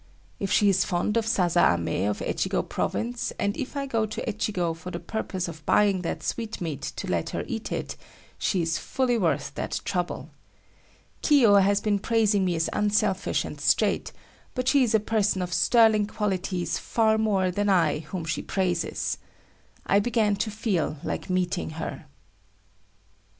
If she is fond of sasa ame of Echigo province, and if I go to Echigo for the purpose of buying that sweetmeat to let her eat it, she is fully worth that trouble. Kiyo has been praising me as unselfish and straight, but she is a person of sterling qualities far more than I whom she praises. I began to feel like meeting her.